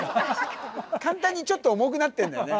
簡単にちょっと重くなってんだよね。